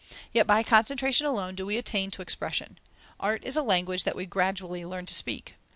Yet by concentration alone do we attain to expression; art is a language that we gradually learn to speak.